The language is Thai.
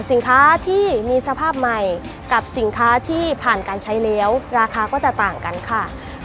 สินค้าที่มีสภาพใหม่กับสินค้าที่ผ่านการใช้แล้วราคาก็จะต่างกันค่ะ